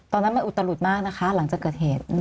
ตอนนั้นมันอุตลุดมากนะคะหลังจากเกิดเหตุ